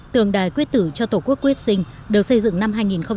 tượng đài quyết tử cho tổ quốc quyết sinh được xây dựng năm hai nghìn bốn